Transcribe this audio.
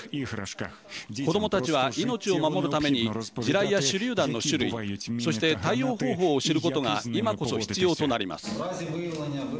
子どもたちは命を守るために地雷や手りゅう弾の種類そして、対応方法を知ることが今こそ必要となります。